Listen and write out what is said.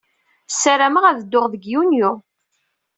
Ssarameɣ ad dduɣ deg Yunyu.